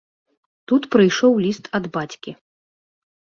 Тут прыйшоў ліст ад бацькі.